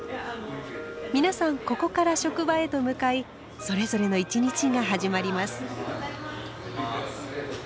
皆さんここから職場へと向かいそれぞれの一日が始まります。